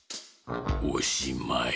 おしまい。